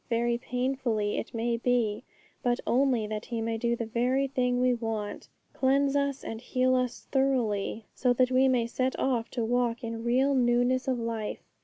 Very painfully, it may be, but only that He may do the very thing we want, cleanse us and heal us thoroughly, so that we may set off to walk in real newness of life.